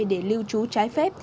để lưu trú trái phép